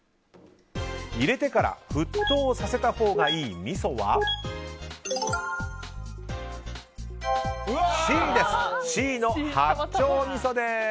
入れてから沸騰させたほうがいいみそはＣの八丁みそです！